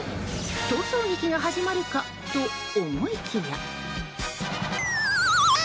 逃走劇が始まるかと思いきや。